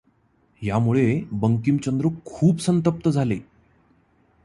यामुळे बंकिमचंद्र खूप संतप्त झाले.